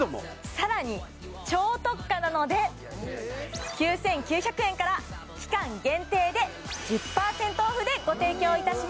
さらに超特価なので９９００円から期間限定で１０％オフでご提供いたします